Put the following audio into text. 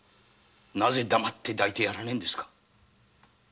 なぜ黙って抱いてやらねぇんですか？